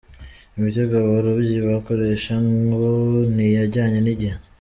Imitego abarobyi bakoresha ngo ntijyanye n’igihe.